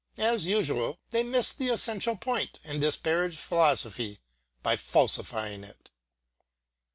As usual, they miss the essential point and disparage philosophy by falsifying it.